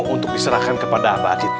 untuk diserahkan kepada mbak adit